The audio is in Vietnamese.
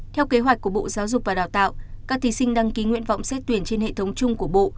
theo kế hoạch của bộ giáo dục và đào tạo các thí sinh đăng ký nguyện vọng xét tuyển trên hệ thống chung của bộ